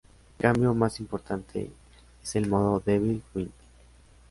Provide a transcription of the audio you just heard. El cambio más importante es el modo Devil Within.